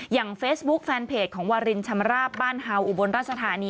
เฟซบุ๊คแฟนเพจของวารินชำราบบ้านฮาอุบลราชธานี